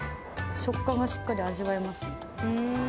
食感がしっかり味わえますね。